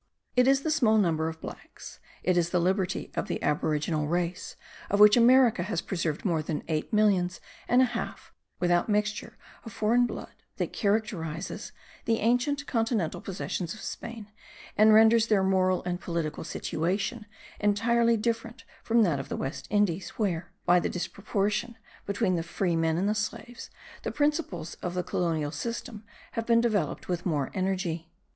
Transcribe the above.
It is the small number of blacks, it is the liberty of the aboriginal race, of which America has preserved more than eight millions and a half without mixture of foreign blood, that characterizes the ancient continental possessions of Spain, and renders their moral and political situation entirely different from that of the West Indies, where, by the disproportion between the free men and the slaves, the principles of the Colonial System have been developed with more energy.